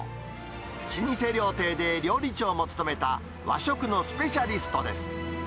老舗料亭で料理長も務めた和食のスペシャリストです。